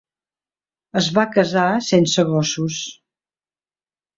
Es va casar sense gossos.